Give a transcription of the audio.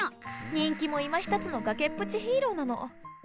人気もいまひとつの崖っぷちヒーローなの。